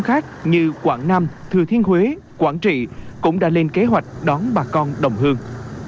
các thành phố khác như quảng nam thừa thiên huế quảng trị cũng đã lên kế hoạch đón bà con đồng hương